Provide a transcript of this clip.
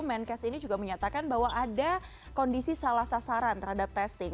menkes ini juga menyatakan bahwa ada kondisi salah sasaran terhadap testing